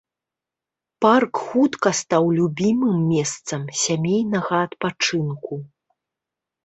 Парк хутка стаў любімым месцам сямейнага адпачынку.